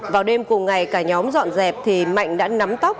vào đêm cùng ngày cả nhóm dọn dẹp thì mạnh đã nắm tóc